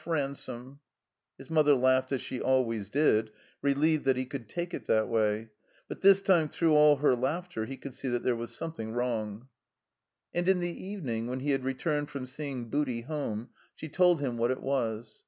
Ransome." His mother laughed as she always did (relieved that he could take it that way); but this time, through all her laughter, he could see that there was something wrong. And in the evening, when he had returned from seeing Booty home, she told him what it was.